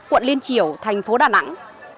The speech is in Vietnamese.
quận liên triểu thành phố đà nẵng